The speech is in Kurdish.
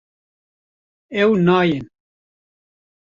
Ew nayên